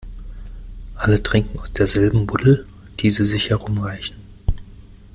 Alle trinken aus derselben Buddel, die sie sich herumreichen.